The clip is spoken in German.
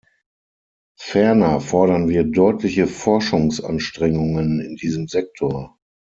Ferner fordern wir deutliche Forschungsanstrengungen in diesem Sektor.